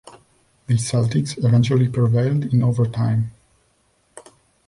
The Celtics eventually prevailed in overtime.